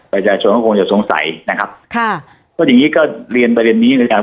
ประชาชนก็คงจะสงสัยนะครับค่ะก็อย่างงี้ก็เรียนประเด็นนี้นะครับ